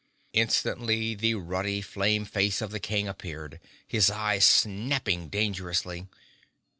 Instantly the ruddy flame face of the King appeared, his eyes snapping dangerously.